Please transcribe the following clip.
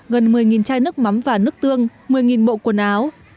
gần một mươi chai nước mắm và nước tương một mươi bộ quần áo